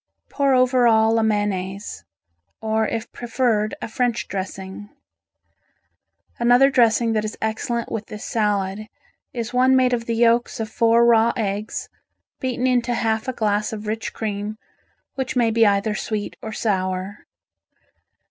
Pour over all a mayonnaise, or if preferred, a French dressing. Another dressing that is excellent with this salad is one made of the yolks of four raw eggs beaten into half a glass of rich cream which may be either sweet or sour.